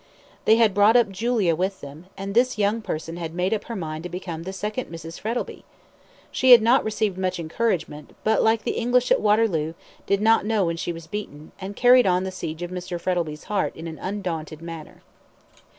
They had brought up Julia with them, and this young person had made up her mind to become the second Mrs. Frettlby. She had not received much encouragement, but, like the English at Waterloo, did not know when she was beaten, and carried on the siege of Mr. Frettlby's heart in an undaunted manner.